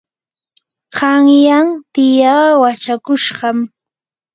qanyan tiyaa wachakushqam.